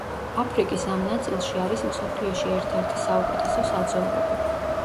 აფრიკის ამ ნაწილში არის მსოფლიოში ერთ-ერთი საუკეთესო საძოვრები.